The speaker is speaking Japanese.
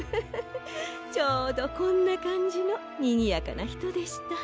ちょうどこんなかんじのにぎやかなひとでした。